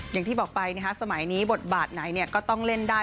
อย่างที่บอกไปสมัยนี้บทบาทไหนก็ต้องเล่นได้